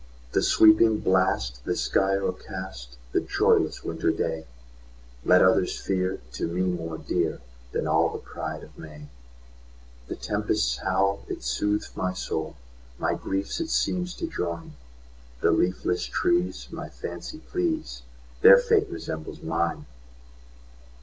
"The sweeping blast, the sky o'ercast,"The joyless winter dayLet others fear, to me more dearThan all the pride of May:The tempest's howl, it soothes my soul, My griefs it seems to join; The leafless trees my fancy please, Their fate resembles mine!